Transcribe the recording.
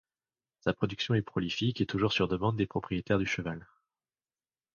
Sa production est prolifique et toujours sur demande des propriétaires du cheval.